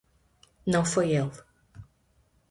Não foi ele